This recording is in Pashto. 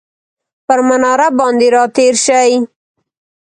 پر مناره باندې راتیرشي،